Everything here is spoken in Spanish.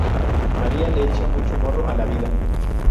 María le echa mucho morro a la vida